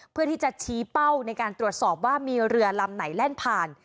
เพื่อที่จะชี้เป้าในการตรวจสอบว่ามีเรือลำไหนแล่นผ่าน